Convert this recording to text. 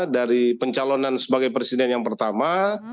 dari pencalonan sebagai presiden yang pertama